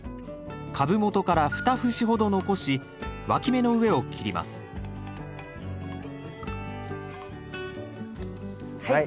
株元から２節ほど残しわき芽の上を切りますはい。